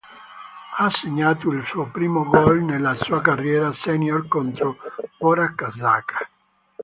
Ha segnato il suo primo gol nella sua carriera senior contro Borac Čačak.